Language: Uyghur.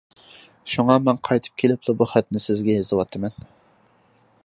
شۇڭا مەن قايتىپ كېلىپلا بۇ خەتنى سىزگە يېزىۋاتىمەن.